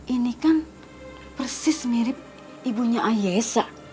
ini kan persis mirip ibunya ayesa